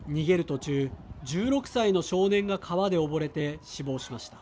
途中、１６歳の少年が川で溺れて死亡しました。